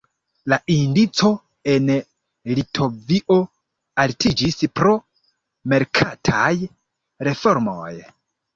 La indico en Litovio altiĝis pro merkataj reformoj.